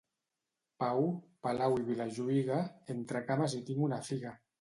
Pau, Palau i Vilajuïga, entre cames hi tinc la figa.